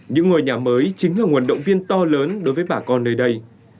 những ngôi nhà mới chính là nguồn động viên to lớn đối với bà con nơi đây